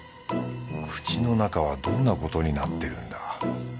口の中はどんなことになってるんだ？